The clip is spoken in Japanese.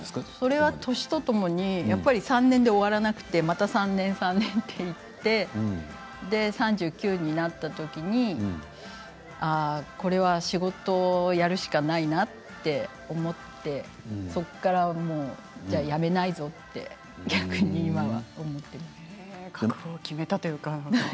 それは年とともに３年で終われて、また３年３年で３９歳になった時にこれは仕事をやるしかないなと思ってそこから、じゃあ辞めないぞって覚悟を決めたというか。